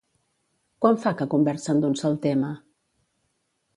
Quant fa que conversen d'un sol tema?